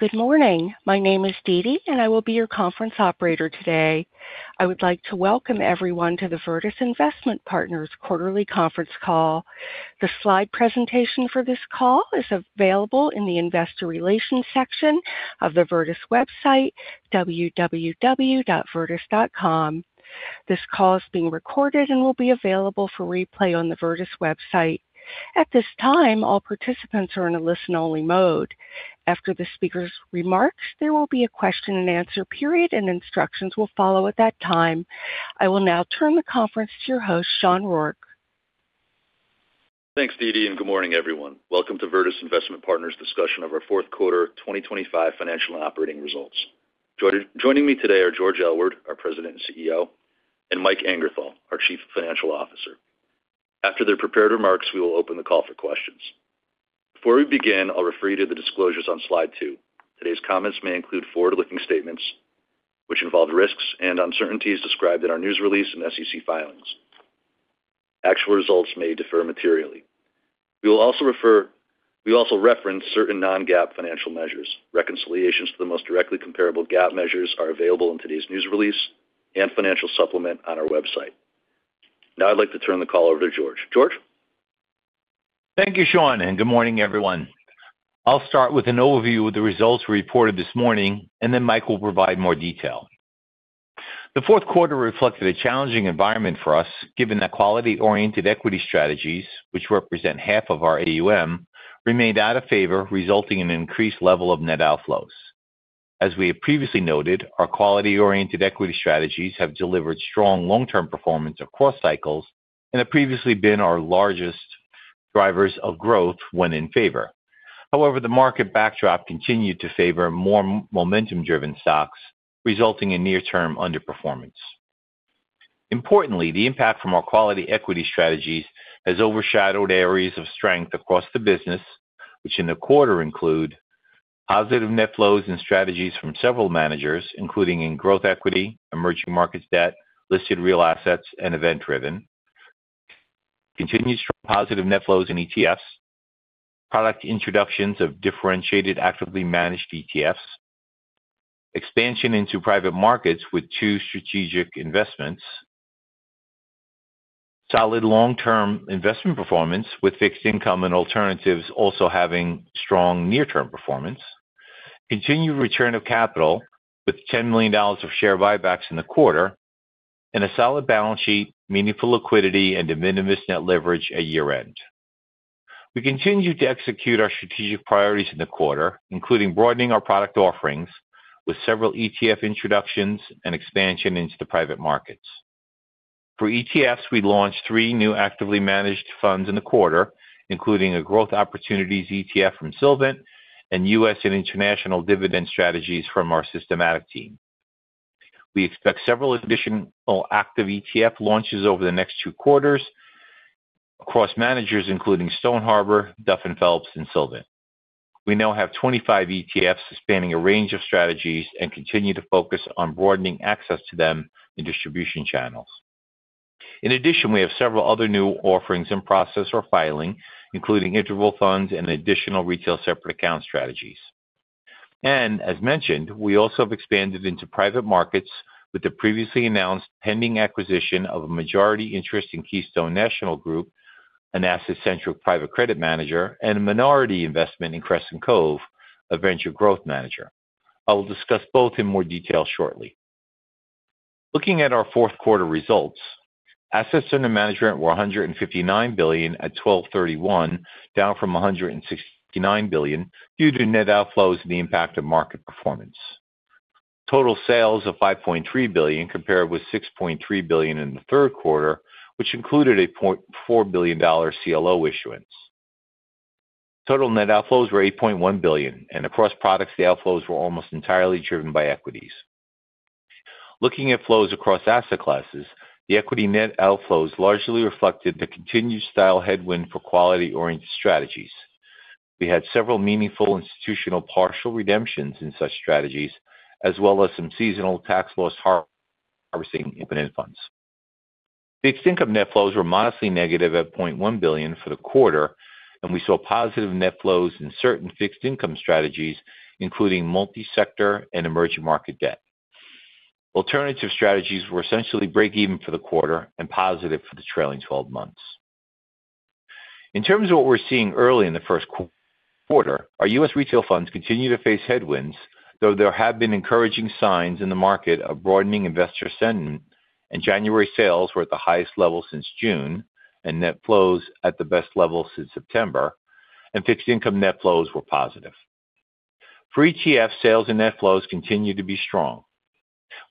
Good morning. My name is Didi, and I will be your conference operator today. I would like to welcome everyone to the Virtus Investment Partners Quarterly Conference Call. The slide presentation for this call is available in the Investor Relations section of the Virtus website, www.virtus.com. This call is being recorded and will be available for replay on the Virtus website. At this time, all participants are in a listen-only mode. After the speaker's remarks, there will be a question-and-answer period, and instructions will follow at that time. I will now turn the conference to your host, Sean Rourke. Thanks, Didi, and good morning, everyone. Welcome to Virtus Investment Partners discussion of our fourth quarter 2025 financial and operating results. Joining me today are George Aylward, our President and CEO, and Mike Angerthal, our Chief Financial Officer. After their prepared remarks, we will open the call for questions. Before we begin, I'll refer you to the disclosures on slide two. Today's comments may include forward-looking statements, which involve risks and uncertainties described in our news release and SEC filings. Actual results may differ materially. We also reference certain non-GAAP financial measures. Reconciliations to the most directly comparable GAAP measures are available in today's news release and financial supplement on our website. Now I'd like to turn the call over to George. George? Thank you, Sean, and good morning, everyone. I'll start with an overview of the results we reported this morning, and then Mike will provide more detail. The Q4 reflected a challenging environment for us, given that quality-oriented equity strategies, which represent half of our AUM, remained out of favor, resulting in an increased level of net outflows. As we have previously noted, our quality-oriented equity strategies have delivered strong long-term performance across cycles and have previously been our largest drivers of growth when in favor. However, the market backdrop continued to favor more momentum-driven stocks, resulting in near-term underperformance. Importantly, the impact from our quality equity strategies has overshadowed areas of strength across the business, which in the quarter include positive net flows and strategies from several managers, including in growth equity, emerging markets debt, listed real assets, and event-driven. Continued strong positive net flows in ETFs, product introductions of differentiated, actively managed ETFs, expansion into private markets with two strategic investments, solid long-term investment performance, with fixed income and alternatives also having strong near-term performance, continued return of capital with $10 million of share buybacks in the quarter, and a solid balance sheet, meaningful liquidity, and de minimis net leverage at year-end. We continued to execute our strategic priorities in the quarter, including broadening our product offerings with several ETF introductions and expansion into the private markets. For ETFs, we launched three new actively managed funds in the quarter, including a growth opportunities ETF from Silvant and US and international dividend strategies from our systematic team. We expect several additional active ETF launches over the next two quarters across managers, including Stone Harbor, Duff & Phelps, and Silvant. We now have 25 ETFs spanning a range of strategies and continue to focus on broadening access to them in distribution channels. In addition, we have several other new offerings in process or filing, including interval funds and additional retail separate account strategies. And as mentioned, we also have expanded into private markets with the previously announced pending acquisition of a majority interest in Keystone National Group, an asset-centric private credit manager, and a minority investment in Crescent Cove, a venture growth manager. I will discuss both in more detail shortly. Looking at our fourth quarter results, assets under management were $159 billion at 12/31, down from $169 billion due to net outflows and the impact of market performance. Total sales of $5.3 billion, compared with $6.3 billion in the third quarter, which included a $0.4 billion CLO issuance. Total net outflows were $8.1 billion, and across products, the outflows were almost entirely driven by equities. Looking at flows across asset classes, the equity net outflows largely reflected the continued style headwind for quality-oriented strategies. We had several meaningful institutional partial redemptions in such strategies, as well as some seasonal tax loss harvesting in funds. The fixed income net flows were modestly negative at $0.1 billion for the quarter, and we saw positive net flows in certain fixed income strategies, including multi-sector and emerging market debt. Alternative strategies were essentially break even for the quarter and positive for the trailing twelve months. In terms of what we're seeing early in the first quarter, our U.S. retail funds continue to face headwinds, though there have been encouraging signs in the market of broadening investor sentiment, and January sales were at the highest level since June, and net flows at the best level since September, and fixed income net flows were positive. For ETFs, sales and net flows continue to be strong.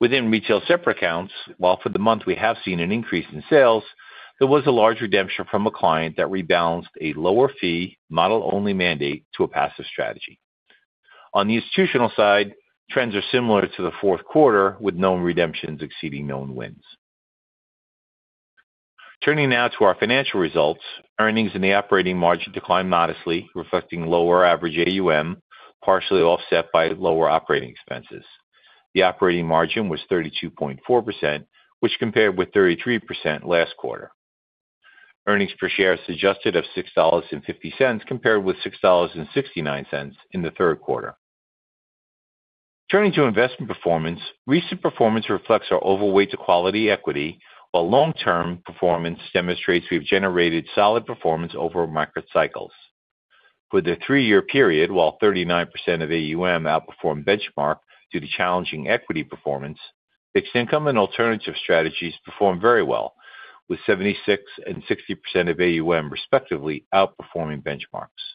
Within retail separate accounts, while for the month we have seen an increase in sales, there was a large redemption from a client that rebalanced a lower fee, model-only mandate to a passive strategy. On the institutional side, trends are similar to the fourth quarter, with known redemptions exceeding known wins. Turning now to our financial results, earnings in the operating margin declined modestly, reflecting lower average AUM, partially offset by lower operating expenses. The operating margin was 32.4%, which compared with 33% last quarter. Earnings per share, as adjusted of $6.50, compared with $6.69 in the third quarter. Turning to investment performance, recent performance reflects our overweight to quality equity, while long-term performance demonstrates we've generated solid performance over market cycles. For the three year period, while 39% of AUM outperformed benchmark due to challenging equity performance, fixed income and alternative strategies performed very well, with 76% and 60% of AUM, respectively, outperforming benchmarks.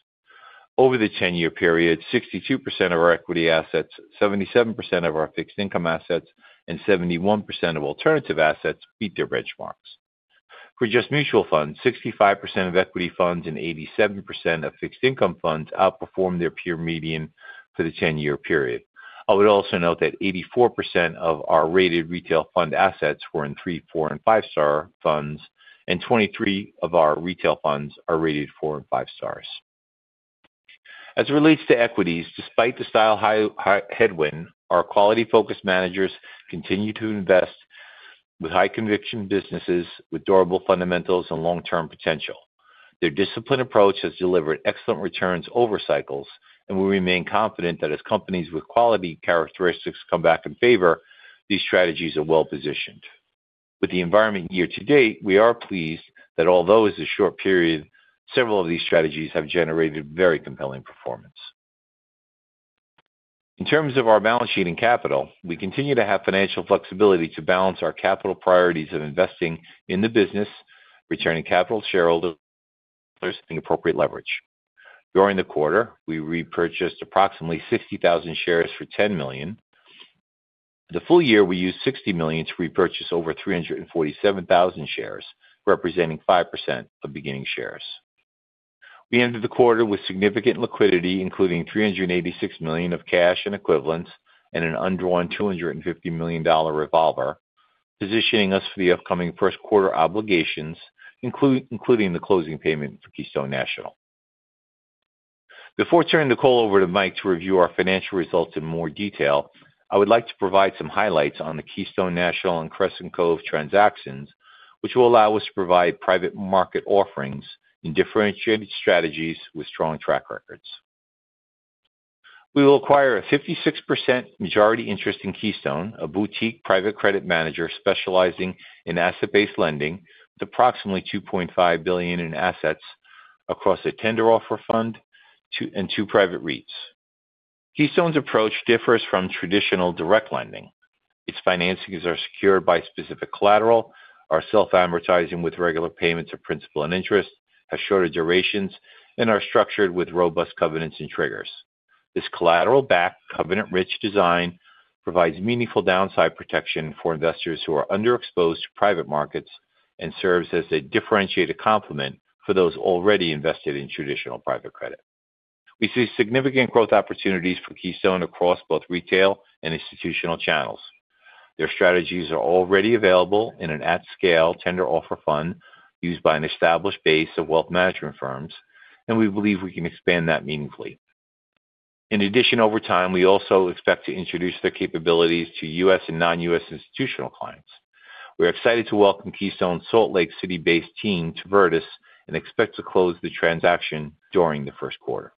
Over the 10-year period, 62% of our equity assets, 77% of our fixed income assets, and 71% of alternative assets beat their benchmarks. For just mutual funds, 65% of equity funds and 87% of fixed income funds outperformed their peer median for the 10-year period. I would also note that 84% of our rated retail fund assets were in three, four, and five-star funds, and 23 of our retail funds are rated four and five stars. As it relates to equities, despite the style headwind, our quality-focused managers continue to invest with high conviction businesses with durable fundamentals and long-term potential. Their disciplined approach has delivered excellent returns over cycles, and we remain confident that as companies with quality characteristics come back in favor, these strategies are well positioned. With the environment year to date, we are pleased that although it's a short period, several of these strategies have generated very compelling performance. In terms of our balance sheet and capital, we continue to have financial flexibility to balance our capital priorities of investing in the business, returning capital to shareholders, and appropriate leverage. During the quarter, we repurchased approximately 60,000 shares for $10 million. The full year, we used $60 million to repurchase over 347,000 shares, representing 5% of beginning shares. We ended the quarter with significant liquidity, including $386 million of cash and equivalents and an undrawn $250 million revolver, positioning us for the upcoming first quarter obligations, including the closing payment for Keystone National. Before turning the call over to Mike to review our financial results in more detail, I would like to provide some highlights on the Keystone National and Crescent Cove transactions, which will allow us to provide private market offerings and differentiated strategies with strong track records. We will acquire a 56% majority interest in Keystone, a boutique private credit manager specializing in asset-based lending, with approximately $2.5 billion in assets across a tender offer fund, and two private REITs. Keystone's approach differs from traditional direct lending. Its financings are secured by specific collateral, are self-amortizing with regular payments of principal and interest, have shorter durations, and are structured with robust covenants and triggers. This collateral-backed, covenant-rich design provides meaningful downside protection for investors who are underexposed to private markets and serves as a differentiated complement for those already invested in traditional private credit. We see significant growth opportunities for Keystone across both retail and institutional channels. Their strategies are already available in an at-scale tender offer fund used by an established base of wealth management firms, and we believe we can expand that meaningfully. In addition, over time, we also expect to introduce their capabilities to U.S. and non-U.S. institutional clients. We're excited to welcome Keystone's Salt Lake City-based team to Virtus and expect to close the transaction during the first quarter.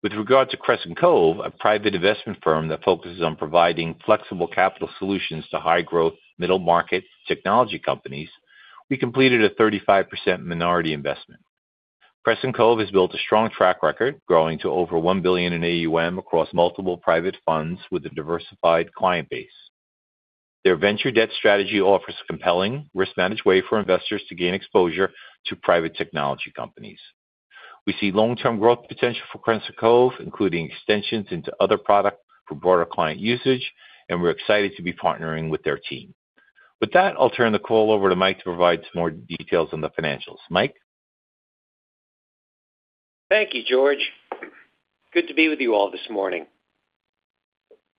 With regard to Crescent Cove, a private investment firm that focuses on providing flexible capital solutions to high-growth, middle-market technology companies, we completed a 35% minority investment. Crescent Cove has built a strong track record, growing to over $1 billion in AUM across multiple private funds with a diversified client base. Their venture debt strategy offers a compelling risk-managed way for investors to gain exposure to private technology companies. We see long-term growth potential for Crescent Cove, including extensions into other products for broader client usage, and we're excited to be partnering with their team. With that, I'll turn the call over to Mike to provide some more details on the financials. Mike? Thank you, George. Good to be with you all this morning.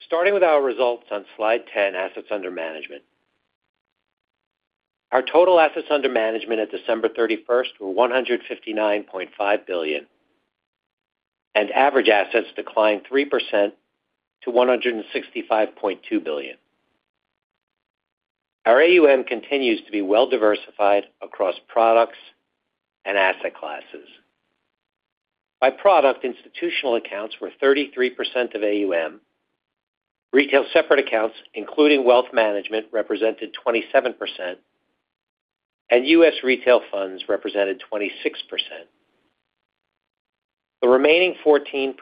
Starting with our results on slide 10, assets under management. Our total assets under management at December 31 were $159.5 billion, and average assets declined 3% to $165.2 billion. Our AUM continues to be well-diversified across products and asset classes. By product, institutional accounts were 33% of AUM, retail separate accounts, including wealth management, represented 27%, and U.S. retail funds represented 26%. The remaining 14%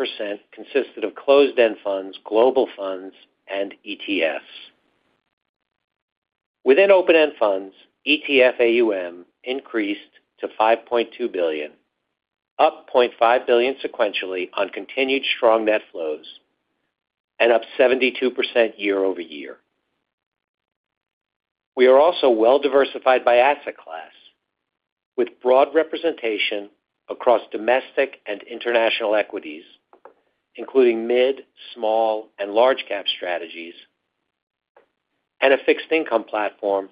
consisted of closed-end funds, global funds, and ETFs. Within open-end funds, ETF AUM increased to $5.2 billion, up $0.5 billion sequentially on continued strong net flows and up 72% year-over-year. We are also well-diversified by asset class, with broad representation across domestic and international equities, including mid, small, and large cap strategies, and a fixed income platform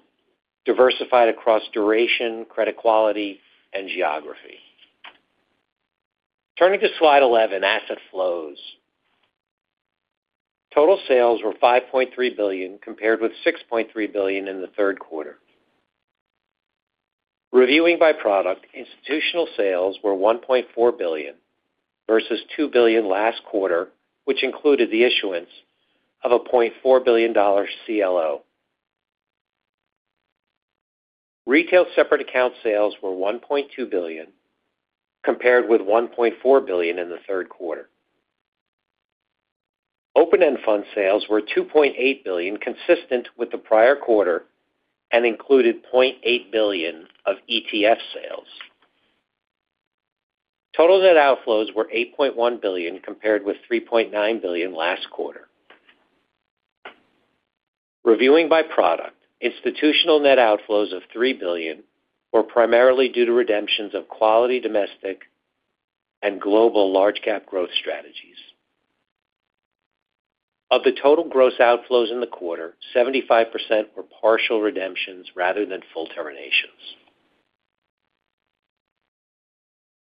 diversified across duration, credit quality, and geography. Turning to slide 11, asset flows. Total sales were $5.3 billion, compared with $6.3 billion in the third quarter. Reviewing by product, institutional sales were $1.4 billion, versus $2 billion last quarter, which included the issuance of a $0.4 billion CLO. Retail separate account sales were $1.2 billion, compared with $1.4 billion in the third quarter. Open-end fund sales were $2.8 billion, consistent with the prior quarter, and included $0.8 billion of ETF sales. Total net outflows were $8.1 billion, compared with $3.9 billion last quarter. Reviewing by product, institutional net outflows of $3 billion were primarily due to redemptions of quality domestic and global large cap growth strategies. Of the total gross outflows in the quarter, 75% were partial redemptions rather than full terminations.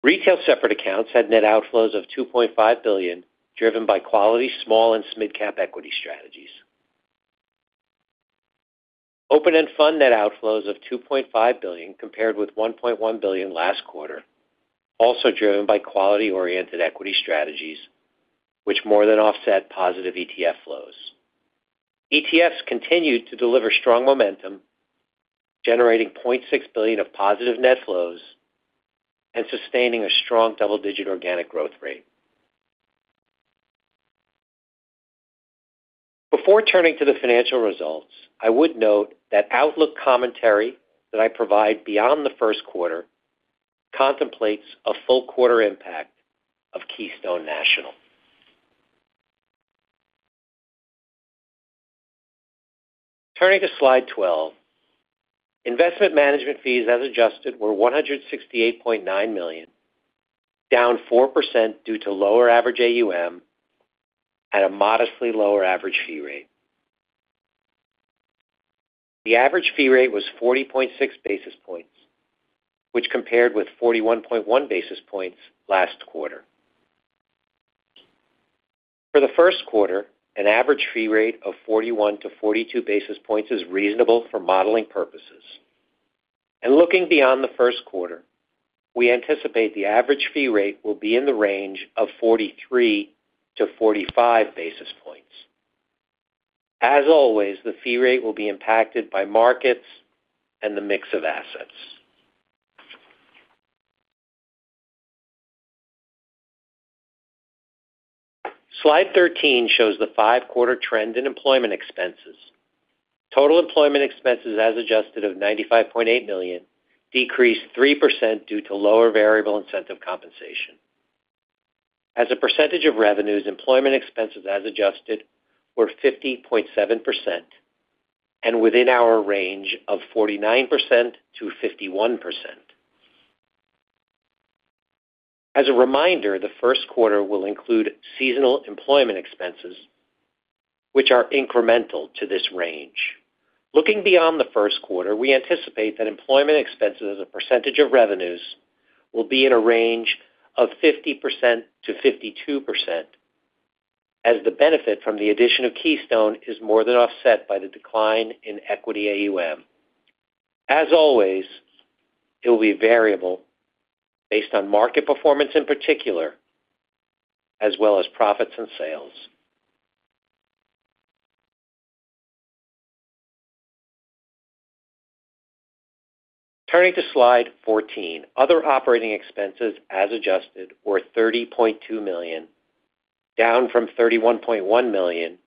Retail separate accounts had net outflows of $2.5 billion, driven by quality, small, and midcap equity strategies. Open-end fund net outflows of $2.5 billion, compared with $1.1 billion last quarter, also driven by quality-oriented equity strategies, which more than offset positive ETF flows. ETFs continued to deliver strong momentum, generating $0.6 billion of positive net flows and sustaining a strong double-digit organic growth rate. Before turning to the financial results, I would note that outlook commentary that I provide beyond the first quarter contemplates a full quarter impact of Keystone National. Turning to slide 12, investment management fees, as adjusted, were $168.9 million, down 4% due to lower average AUM at a modestly lower average fee rate. The average fee rate was 40.6 basis points, which compared with 41.1 basis points last quarter. For the first quarter, an average fee rate of 41-42 basis points is reasonable for modeling purposes. Looking beyond the first quarter, we anticipate the average fee rate will be in the range of 43-45 basis points. As always, the fee rate will be impacted by markets and the mix of assets. Slide 13 shows the five quarter trend in employment expenses. Total employment expenses, as adjusted, of $95.8 million, decreased 3% due to lower variable incentive compensation. As a percentage of revenues, employment expenses, as adjusted, were 50.7% and within our range of 49%-51%. As a reminder, the first quarter will include seasonal employment expenses, which are incremental to this range. Looking beyond the first quarter, we anticipate that employment expenses as a percentage of revenues will be in a range of 50%-52%, as the benefit from the addition of Keystone is more than offset by the decline in equity AUM. As always, it will be variable based on market performance, in particular, as well as profits and sales. Turning to slide 14. Other operating expenses, as adjusted, were $30.2 million, down from $31.1 million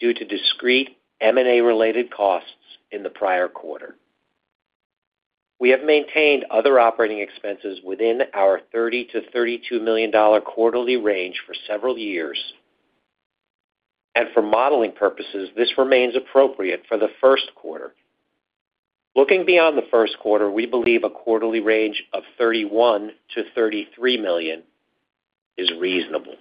due to discrete M&A-related costs in the prior quarter. We have maintained other operating expenses within our $30 million-$32 million quarterly range for several years, and for modeling purposes, this remains appropriate for the first quarter. Looking beyond the first quarter, we believe a quarterly range of $31 million-$33 million is reasonable.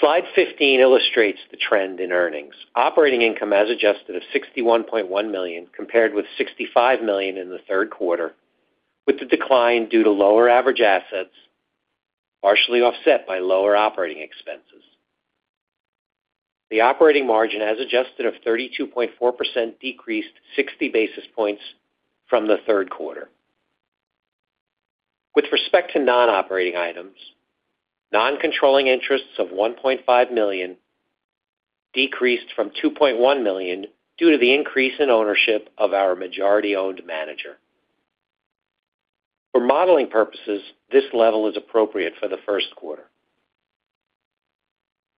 Slide 15 illustrates the trend in earnings. Operating income, as adjusted, of $61.1 million, compared with $65 million in the Q3, with the decline due to lower average assets, partially offset by lower operating expenses. The operating margin, as adjusted, of 32.4%, decreased 60 basis points from the third quarter. With respect to non-operating items, non-controlling interests of $1.5 million decreased from $2.1 million due to the increase in ownership of our majority-owned manager. For modeling purposes, this level is appropriate for the first quarter.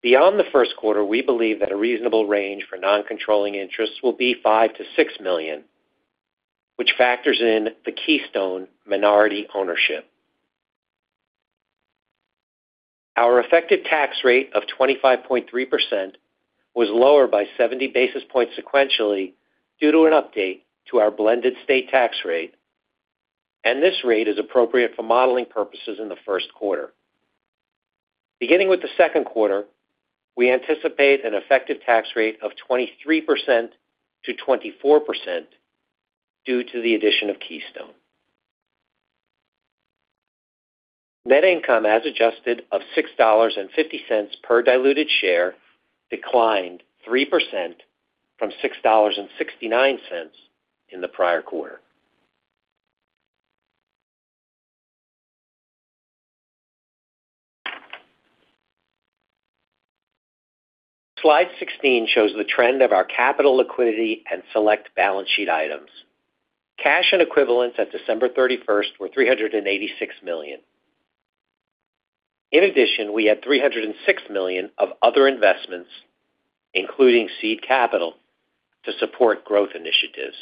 Beyond the Q1, we believe that a reasonable range for non-controlling interests will be $5 million-$6 million, which factors in the Keystone minority ownership. Our effective tax rate of 25.3% was lower by 70 basis points sequentially due to an update to our blended state tax rate, and this rate is appropriate for modeling purposes in the Q1. Beginning with the second quarter, we anticipate an effective tax rate of 23%-24% due to the addition of Keystone. Net income, as adjusted, of $6.50 per diluted share, declined 3% from $6.69 in the prior quarter. Slide 16 shows the trend of our capital liquidity and select balance sheet items. Cash and equivalents at December 31 were $386 million. In addition, we had $306 million of other investments, including seed capital, to support growth initiatives.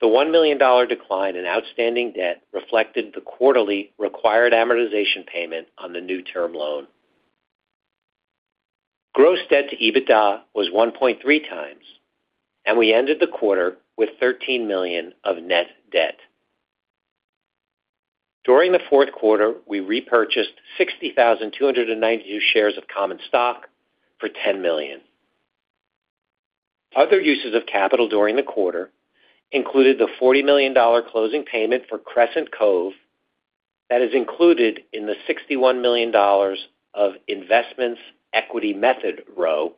The $1 million decline in outstanding debt reflected the quarterly required amortization payment on the new term loan. Gross debt to EBITDA was 1.3x, and we ended the quarter with $13 million of net debt. During the fourth quarter, we repurchased 60,290 shares of common stock for $10 million. Other uses of capital during the quarter included the $40 million closing payment for Crescent Cove. That is included in the $61 million of investments equity method row,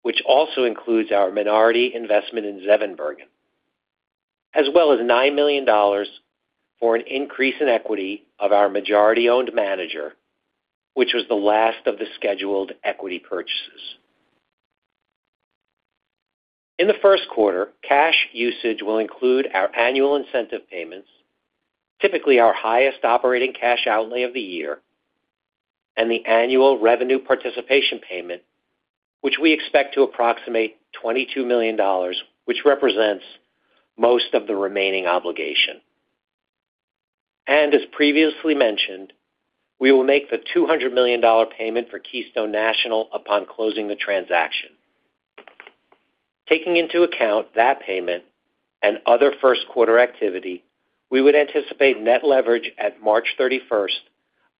which also includes our minority investment in Zevenbergen, as well as $9 million for an increase in equity of our majority-owned manager, which was the last of the scheduled equity purchases. In the Q1, cash usage will include our annual incentive payments, typically our highest operating cash outlay of the year, and the annual revenue participation payment, which we expect to approximate $22 million, which represents most of the remaining obligation. As previously mentioned, we will make the $200 million payment for Keystone National upon closing the transaction. Taking into account that payment and other first quarter activity, we would anticipate net leverage at March 31st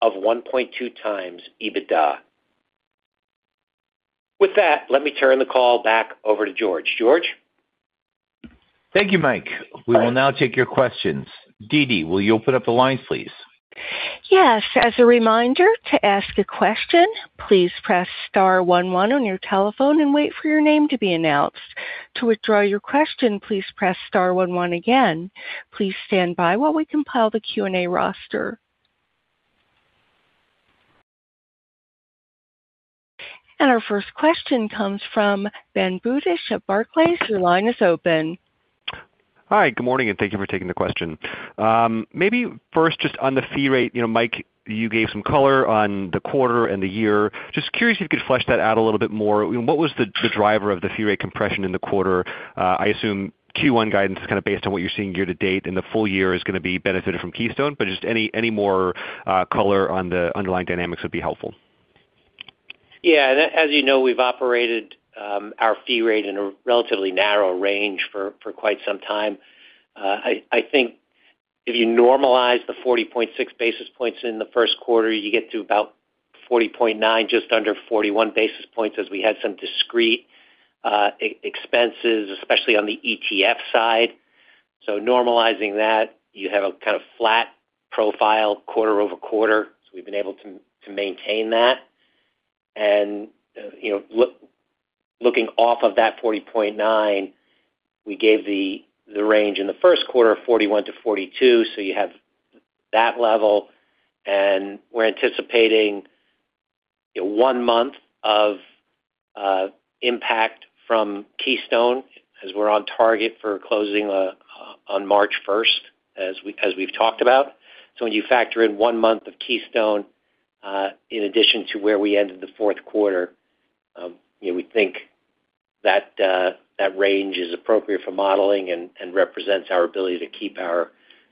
of 1.2x EBITDA. With that, let me turn the call back over to George. George? Thank you, Mike. We will now take your questions. Didi, will you open up the line, please? Yes. As a reminder, to ask a question, please press star one one on your telephone and wait for your name to be announced. To withdraw your question, please press star one one again. Please stand by while we compile the Q&A roster. Our first question comes from Ben Budish at Barclays. Your line is open. Hi, good morning, and thank you for taking the question. Maybe first, just on the fee rate. You know, Mike, you gave some color on the quarter and the year. Just curious if you could flesh that out a little bit more. What was the driver of the fee rate compression in the quarter? I assume Q1 guidance is kind of based on what you're seeing year to date, and the full year is gonna be benefited from Keystone, but just any more color on the underlying dynamics would be helpful. Yeah, as you know, we've operated our fee rate in a relatively narrow range for quite some time. I think if you normalize the 40.6 basis points in the first quarter, you get to about 40.9, just under 41 basis points, as we had some discrete expenses, especially on the ETF side. So normalizing that, you have a kind of flat profile quarter-over-quarter. So we've been able to maintain that. And you know, looking off of that 40.9, we gave the range in the Q1 of 41-42, so you have that level, and we're anticipating one month of impact from Keystone, as we're on target for closing on March first, as we've talked about. So when you factor in one month of Keystone, in addition to where we ended the fourth quarter, you know, we think that that range is appropriate for modeling and represents our ability to keep our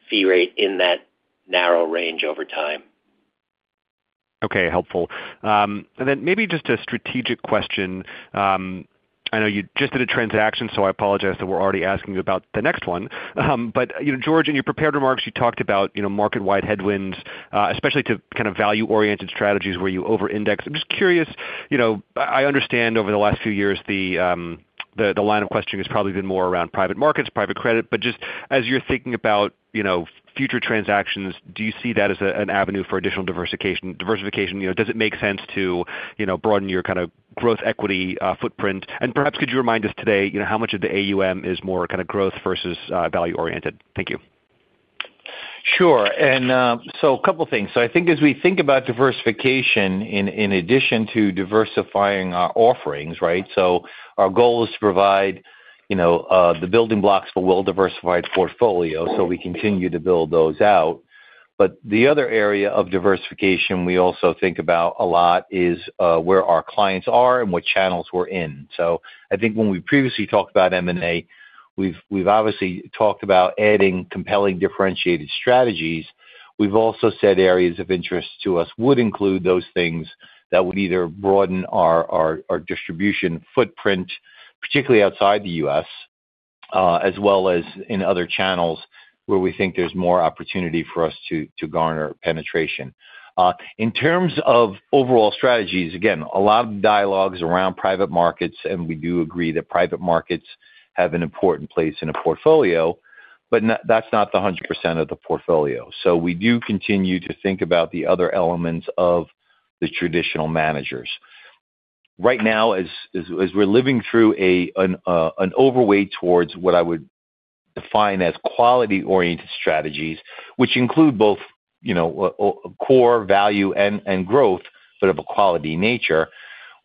fee rate in that narrow range over time. Okay, helpful. And then maybe just a strategic question. I know you just did a transaction, so I apologize that we're already asking you about the next one. But, you know, George, in your prepared remarks, you talked about, you know, market-wide headwinds, especially to kind of value-oriented strategies where you over-index. I'm just curious, you know, I understand over the last few years, the line of questioning has probably been more around private markets, private credit. But just as you're thinking about, you know, future transactions, do you see that as an avenue for additional diversification, diversification? You know, does it make sense to, you know, broaden your kind of growth, equity footprint? And perhaps, could you remind us today, you know, how much of the AUM is more kind of growth versus value-oriented? Thank you. Sure. And, so a couple things. So I think as we think about diversification in, in addition to diversifying our offerings, right? So our goal is to provide, you know, the building blocks for well-diversified portfolio, so we continue to build those out. But the other area of diversification we also think about a lot is, where our clients are and what channels we're in. So I think when we previously talked about M&A, we've, we've obviously talked about adding compelling, differentiated strategies. We've also said areas of interest to us would include those things that would either broaden our, our, our distribution footprint, particularly outside the U.S. as well as in other channels where we think there's more opportunity for us to, to garner penetration. In terms of overall strategies, again, a lot of dialogues around private markets, and we do agree that private markets have an important place in a portfolio, but not—that's not the 100% of the portfolio. So we do continue to think about the other elements of the traditional managers. Right now, as we're living through an overweight towards what I would define as quality-oriented strategies, which include both, you know, core value and growth, but of a quality nature,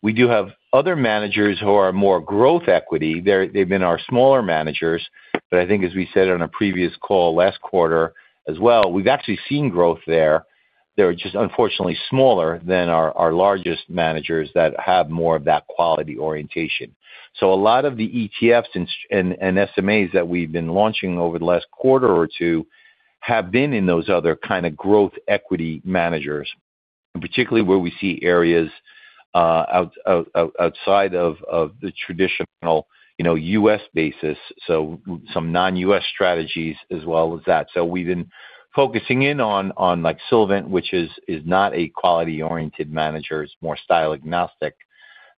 we do have other managers who are more growth equity. They've been our smaller managers, but I think as we said on a previous call last quarter as well, we've actually seen growth there. They're just unfortunately smaller than our largest managers that have more of that quality orientation. So a lot of the ETFs and SMAs that we've been launching over the last quarter or two have been in those other kind of growth equity managers, and particularly where we see areas, outside of the traditional, you know, U.S. basis, so some non-U.S. strategies as well as that. So we've been focusing in on, like, Silvant, which is not a quality-oriented manager. It's more style agnostic.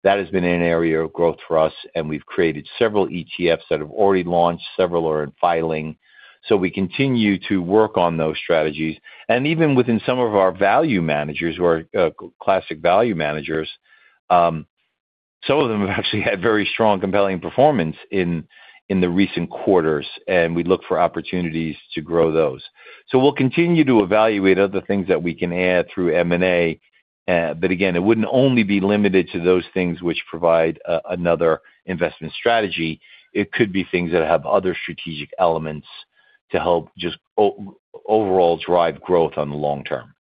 That has been an area of growth for us, and we've created several ETFs that have already launched, several are in filing, so we continue to work on those strategies. And even within some of our value managers who are classic value managers, some of them have actually had very strong compelling performance in the recent quarters, and we look for opportunities to grow those. We'll continue to evaluate other things that we can add through M&A, but again, it wouldn't only be limited to those things which provide another investment strategy. It could be things that have other strategic elements to help just overall drive growth on the long term.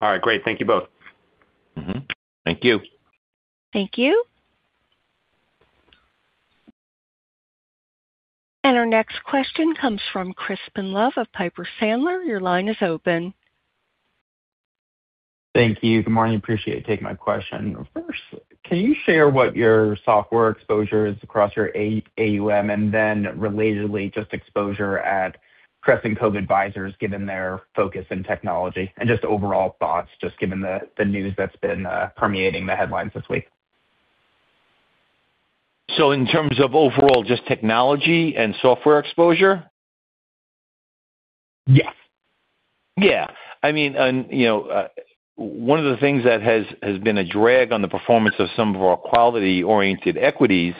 All right, great. Thank you both. Mm-hmm. Thank you. Thank you. And our next question comes from Crispin Love of Piper Sandler. Your line is open. Thank you. Good morning. Appreciate you taking my question. First, can you share what your software exposure is across your AUM, and then relatedly, just exposure at Crescent Cove Advisors, given their focus in technology, and just overall thoughts, just given the news that's been permeating the headlines this week? In terms of overall just technology and software exposure? Yes. Yeah, I mean, and, you know, one of the things that has been a drag on the performance of some of our quality-oriented equities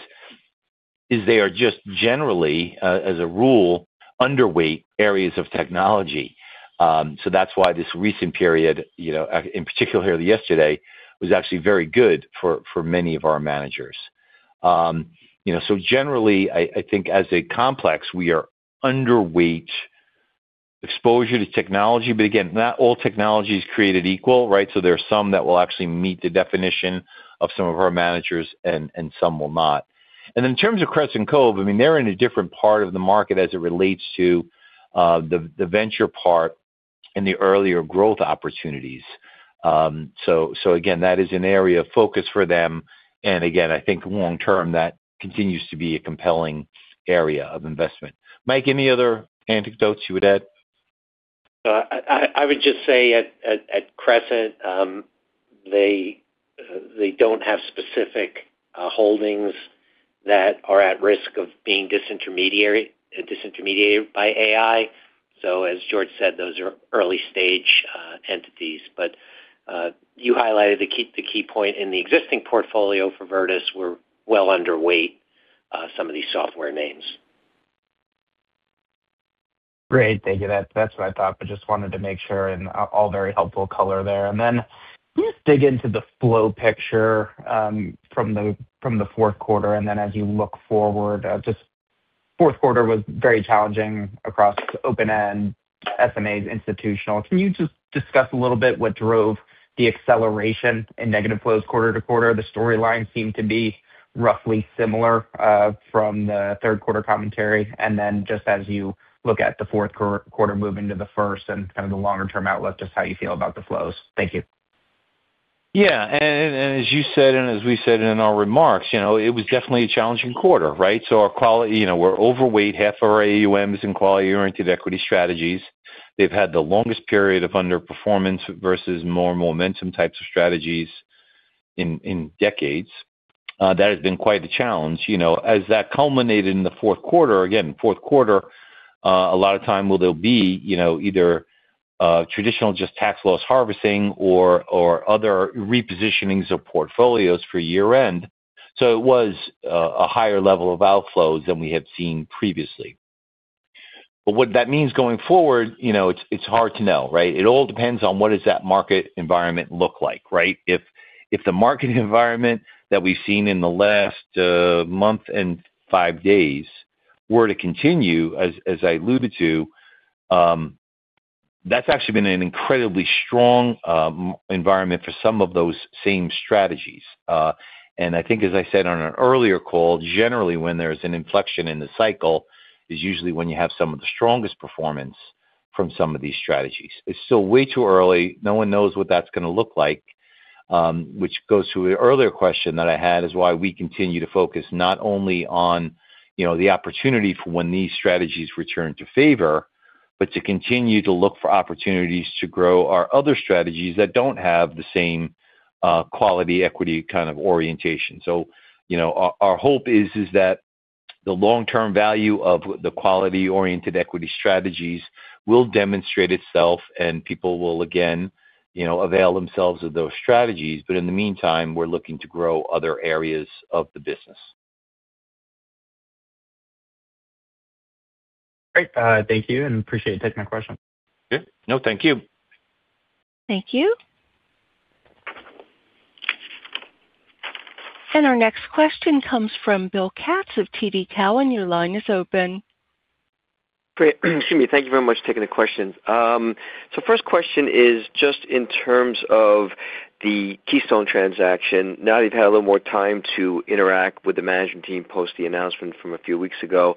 is they are just generally, as a rule, underweight areas of technology. So that's why this recent period, you know, in particular yesterday, was actually very good for many of our managers. You know, so generally, I think as a complex, we are underweight exposure to technology, but again, not all technology is created equal, right? So there are some that will actually meet the definition of some of our managers and some will not. And in terms of Crescent Cove, I mean, they're in a different part of the market as it relates to the venture part and the earlier growth opportunities. So, so again, that is an area of focus for them, and again, I think long term, that continues to be a compelling area of investment. Mike, any other anecdotes you would add? I would just say at Crescent, they don't have specific holdings that are at risk of being disintermediated by AI. So as George said, those are early stage entities. But you highlighted the key point in the existing portfolio for Virtus, we're well underweight some of these software names. Great. Thank you. That, that's what I thought, but just wanted to make sure, and all very helpful color there. And then can you just dig into the flow picture, from the Q4, and then as you look forward, just fourth quarter was very challenging across open-end SMAs institutional. Can you just discuss a little bit what drove the acceleration in negative flows quarter to quarter? The storyline seemed to be roughly similar, from the third quarter commentary. And then just as you look at the Q4 moving to the first and kind of the longer term outlook, just how you feel about the flows. Thank you. Yeah, and as you said, and as we said in our remarks, you know, it was definitely a challenging quarter, right? So our quality, you know, we're overweight, half our AUMs in quality-oriented equity strategies. They've had the longest period of underperformance versus more momentum types of strategies in decades. That has been quite the challenge, you know. As that culminated in the fourth quarter, again,Q4, a lot of time will there be, you know, either traditional just tax loss harvesting or other repositionings of portfolios for year-end. So it was a higher level of outflows than we had seen previously. But what that means going forward, you know, it's hard to know, right? It all depends on what does that market environment look like, right? If the market environment that we've seen in the last month and five days were to continue, as I alluded to, that's actually been an incredibly strong environment for some of those same strategies. And I think, as I said on an earlier call, generally when there's an inflection in the cycle, is usually when you have some of the strongest performance from some of these strategies. It's still way too early. No one knows what that's going to look like, which goes to the earlier question that I had, is why we continue to focus not only on, you know, the opportunity for when these strategies return to favor, but to continue to look for opportunities to grow our other strategies that don't have the same quality equity kind of orientation. So, you know, our hope is that the long-term value of the quality-oriented equity strategies will demonstrate itself, and people will again, you know, avail themselves of those strategies. But in the meantime, we're looking to grow other areas of the business. Great. Thank you, and appreciate you taking my question. Yeah. No, thank you. Thank you. And our next question comes from Bill Katz of TD Cowen. Your line is open. Great. Excuse me. Thank you very much for taking the question. So first question is just in terms of the Keystone transaction. Now that you've had a little more time to interact with the management team, post the announcement from a few weeks ago,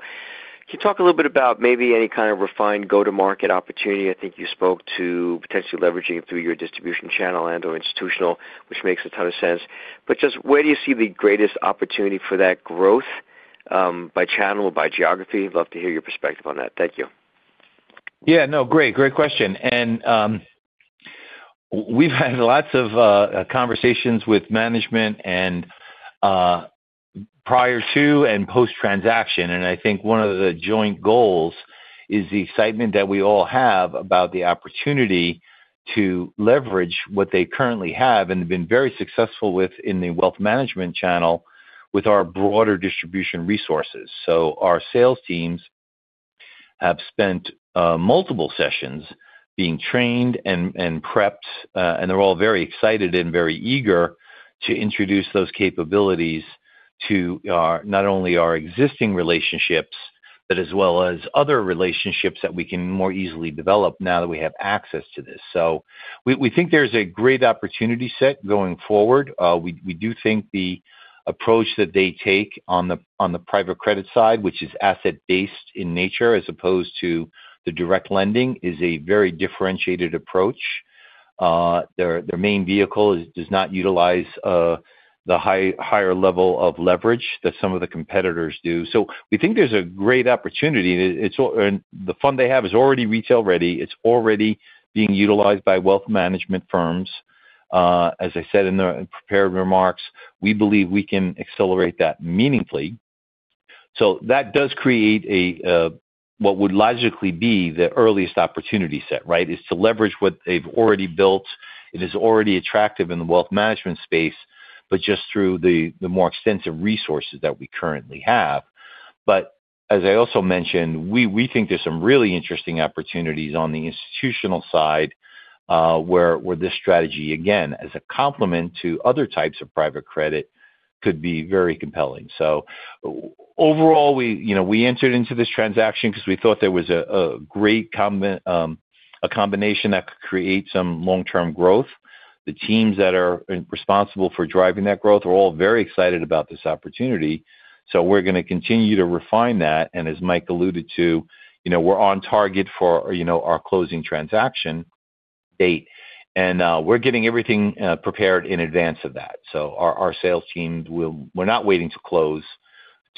can you talk a little bit about maybe any kind of refined go-to-market opportunity? I think you spoke to potentially leveraging it through your distribution channel and/or institutional, which makes a ton of sense. But just where do you see the greatest opportunity for that growth, by channel, by geography? I'd love to hear your perspective on that. Thank you. Yeah, no, great, great question. We've had lots of conversations with management and prior to and post-transaction, and I think one of the joint goals is the excitement that we all have about the opportunity to leverage what they currently have and have been very successful with in the wealth management channel, with our broader distribution resources. So our sales teams have spent multiple sessions being trained and prepped, and they're all very excited and very eager to introduce those capabilities to our not only our existing relationships, but as well as other relationships that we can more easily develop now that we have access to this. So we think there's a great opportunity set going forward. We do think the approach that they take on the private credit side, which is asset-based in nature, as opposed to the direct lending, is a very differentiated approach. Their main vehicle does not utilize the higher level of leverage that some of the competitors do. So we think there's a great opportunity, and the fund they have is already retail-ready. It's already being utilized by wealth management firms. As I said in the prepared remarks, we believe we can accelerate that meaningfully. So that does create what would logically be the earliest opportunity set, right? Is to leverage what they've already built. It is already attractive in the wealth management space, but just through the more extensive resources that we currently have. But as I also mentioned, we think there's some really interesting opportunities on the institutional side, where this strategy, again, as a complement to other types of private credit, could be very compelling. So overall, you know, we entered into this transaction because we thought there was a great combination that could create some long-term growth. The teams that are responsible for driving that growth are all very excited about this opportunity, so we're gonna continue to refine that. And as Mike alluded to, you know, we're on target for our closing transaction date, and we're getting everything prepared in advance of that. So our sales teams, we're not waiting to close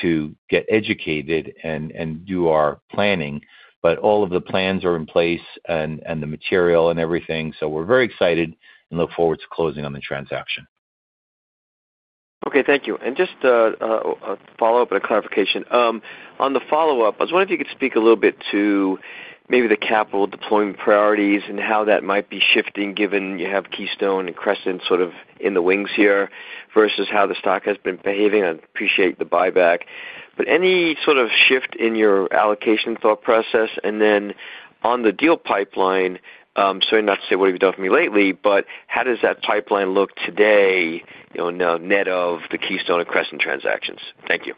to get educated and do our planning, but all of the plans are in place and the material and everything, so we're very excited and look forward to closing on the transaction. Okay. Thank you. And just a follow-up and a clarification. On the follow-up, I was wondering if you could speak a little bit to maybe the capital deployment priorities and how that might be shifting, given you have Keystone and Crescent sort of in the wings here, versus how the stock has been behaving. I'd appreciate the buyback, but any sort of shift in your allocation thought process? And then on the deal pipeline, sorry, not to say, "What have you done for me lately?" But how does that pipeline look today, you know, net of the Keystone and Crescent transactions? Thank you.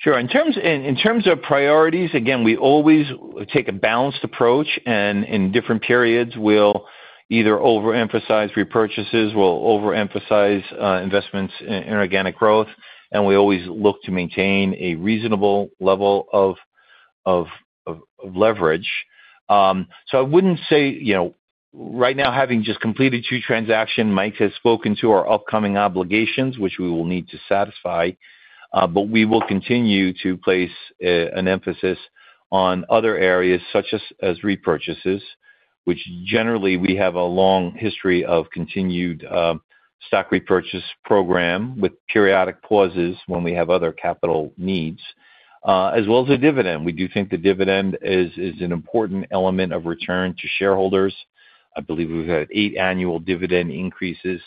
Sure. In terms of priorities, again, we always take a balanced approach, and in different periods, we'll either overemphasize repurchases, we'll overemphasize investments in inorganic growth, and we always look to maintain a reasonable level of leverage. So I wouldn't say, you know. Right now, having just completed two transactions, Mike has spoken to our upcoming obligations, which we will need to satisfy, but we will continue to place an emphasis on other areas such as repurchases, which generally we have a long history of continued stock repurchase program, with periodic pauses when we have other capital needs, as well as a dividend. We do think the dividend is an important element of return to shareholders. I believe we've had eight annual dividend increases,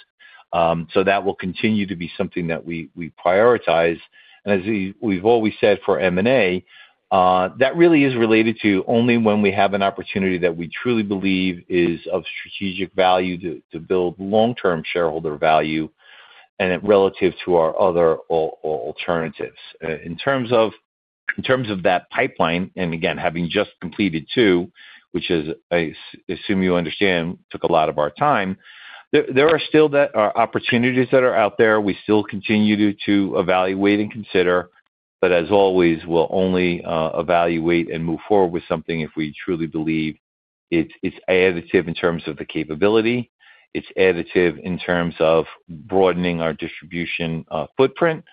so that will continue to be something that we prioritize. And as we've always said for M&A, that really is related to only when we have an opportunity that we truly believe is of strategic value to build long-term shareholder value and relative to our other alternatives. In terms of that pipeline, and again, having just completed two, which I assume you understand took a lot of our time, there are still those opportunities that are out there. We still continue to evaluate and consider, but as always, we'll only evaluate and move forward with something if we truly believe it's additive in terms of the capability, it's additive in terms of broadening our distribution footprint,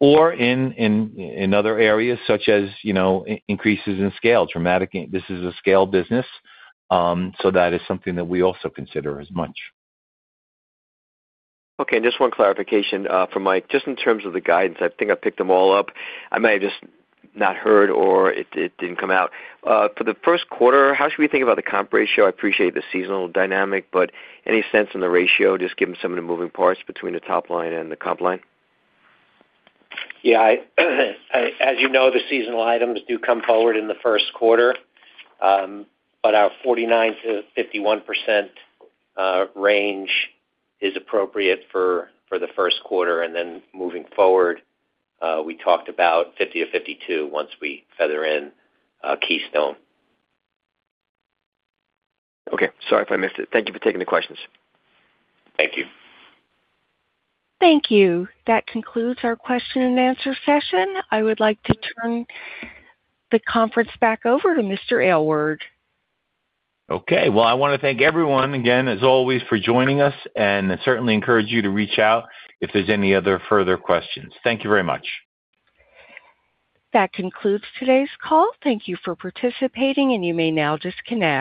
or in other areas such as, you know, increases in scale, dramatic. This is a scale business, so that is something that we also consider as much. Okay, and just one clarification for Mike. Just in terms of the guidance, I think I've picked them all up. I may have just not heard, or it didn't come out. For the first quarter, how should we think about the comp ratio? I appreciate the seasonal dynamic, but any sense on the ratio, just given some of the moving parts between the top line and the comp line? Yeah, as you know, the seasonal items do come forward in the Q1. But our 49%-51% range is appropriate for the first quarter. And then moving forward, we talked about 50%-52% once we feather in Keystone. Okay. Sorry if I missed it. Thank you for taking the questions. Thank you. Thank you. That concludes our question and answer session. I would like to turn the conference back over to Mr. Aylward. Okay. Well, I want to thank everyone again, as always, for joining us, and I certainly encourage you to reach out if there's any other further questions. Thank you very much. That concludes today's call. Thank you for participating, and you may now disconnect.